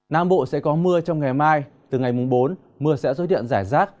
nam bộ sẽ có mưa trong ngày mai từ ngày mùng bốn mưa sẽ xuất hiện rải rác